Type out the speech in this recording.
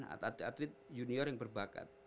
atlet atlet junior yang berbakat